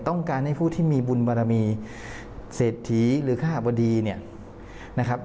ต้องการให้ผู้ที่มีบุญบารมีเศรษฐีหรือคาหบดีเนี่ยนะครับ